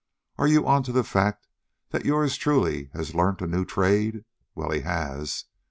Are you onta the fact that yours truly has learnt a new trade. Well he has.